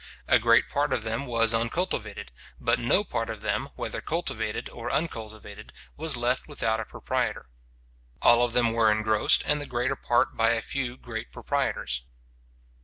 A great part of them was uncultivated; but no part of them, whether cultivated or uncultivated, was left without a proprietor. All of them were engrossed, and the greater part by a few great proprietors.